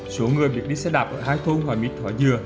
số người biết đi xe đạp ở hai thôn hòa mít hòa dừa